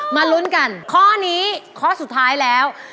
ลุ้นกันข้อนี้ข้อสุดท้ายแล้ว